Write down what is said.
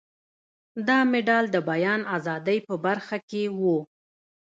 دا مډال د بیان ازادۍ په برخه کې و.